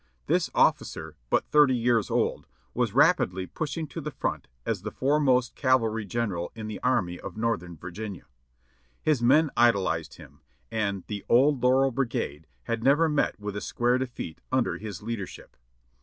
This officer, but thirty years old, was rapidly pushing to the front as the foremost cavalry general in the Army of Northern Virginia. His men idolized him, and the "Old Laurel Brigade" had never met with a square defeat under his leadership.